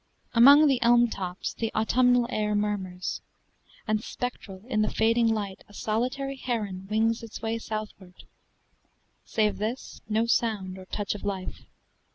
Among the elm tops the autumnal air Murmurs, and spectral in the fading light A solitary heron wings its way Southward save this no sound or touch of life.